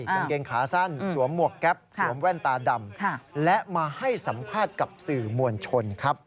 กางเกงขาสั้นสวมหมวกแก๊ปสวมแว่นตาดำและมาให้สัมภาษณ์กับสื่อมวลชนครับ